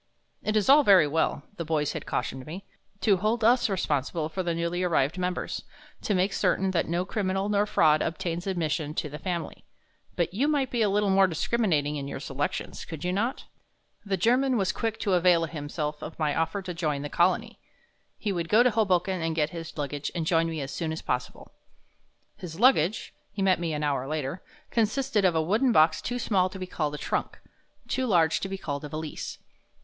"It is all very well," the boys had cautioned me, "to hold us responsible for the newly arrived members, to make certain that no criminal nor fraud obtains admission to the Family, but you might be a little more discriminating in your selections, could you not?" The German was quick to avail himself of my offer to join the Colony; he would go to Hoboken and get his luggage and join me as soon as possible. His luggage he met me an hour later consisted of a wooden box too small to be called a trunk, too large to be called a valise.